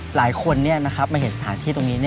หลายคนมาเห็นสถานที่ตรงนี้